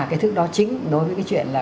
cái thứ đó chính đối với cái chuyện là